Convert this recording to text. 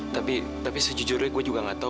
tapi tapi sejujurnya gue juga nggak tahu